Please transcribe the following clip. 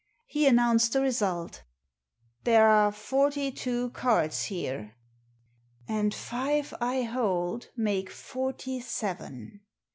He announced the result " There are forty two cards here." " And five I hold make forty seven.